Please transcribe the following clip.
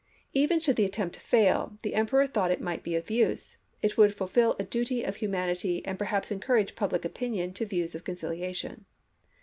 Even should the attempt fail, the Emperor thought it might be of use ; it would fulfill a duty of hu manity and perhaps encourage public opinion to views of conciliation.